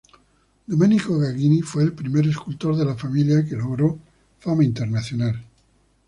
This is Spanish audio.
Domenico Gagini fue el primer escultor de la familia que logró fama internacional.